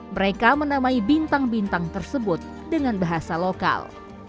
mereka menamai bintang bintang tersebut dengan bahasa lokal